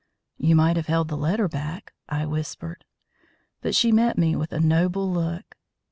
"You might have held the letter back," I whispered. But she met me with a noble look.